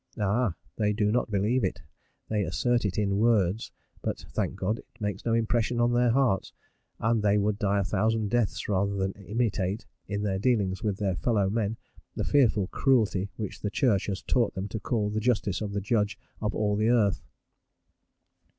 Ah! they do not believe it; they assert it in words, but, thank God, it makes no impression on their hearts; and they would die a thousand deaths rather than imitate, in their dealings with their fellow men, the fearful cruelty which the Church has taught them to call the justice of the Judge of all the earth.